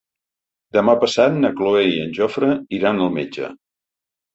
Demà passat na Cloè i en Jofre iran al metge.